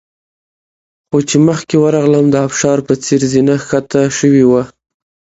خو چې مخکې ورغلم د ابشار په څېر زینه ښکته شوې وه.